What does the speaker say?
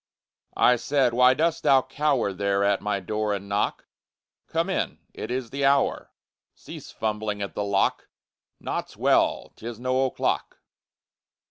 I said, _Why dost thou cower There at my door and knock? Come in! It is the hour! Cease fumbling at the lock! Naught's well! 'Tis no o'clock!